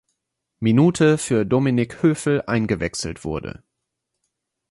Minute für Dominik Höfel eingewechselt wurde.